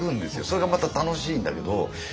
それがまた楽しいんだけど。